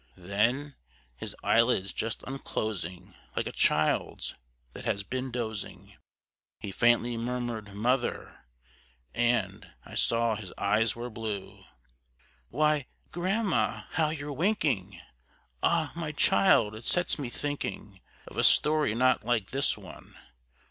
Then, his eyelids just unclosing like a child's that has been dozing, He faintly murmured, "Mother!" and I saw his eyes were blue. "Why, grandma, how you're winking!" Ah, my child, it sets me thinking Of a story not like this one.